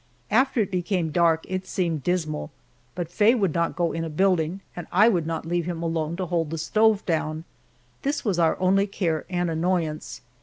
After it became dark it seemed dismal, but Faye would not go in a building, and I would not leave him alone to hold the stove down. This was our only care and annoyance.